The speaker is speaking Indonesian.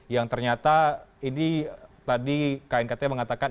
yang ternyata ini tadi knkt mengatakan